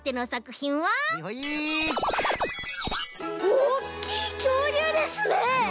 おっきいきょうりゅうですね！